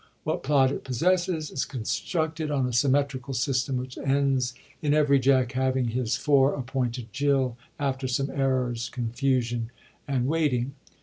What plot it possesses, is constructed on a symmetrical system which ends in every Jack having his fore appointed Jill, after some errors, confusion and wait, ing.